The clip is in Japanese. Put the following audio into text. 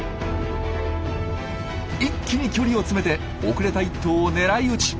一気に距離を詰めて遅れた１頭を狙い撃ち。